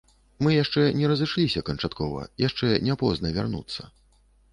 Мы яшчэ не разышліся канчаткова, яшчэ не позна вярнуцца.